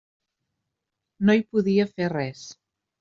No hi podia fer res.